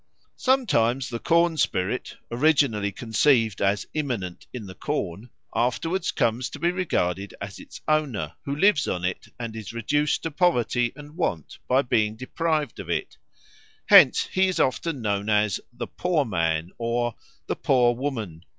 Sometimes the corn spirit, originally conceived as immanent in the corn, afterwards comes to be regarded as its owner, who lives on it and is reduced to poverty and want by being deprived of it. Hence he is often known as "the Poor Man" or "the Poor Woman."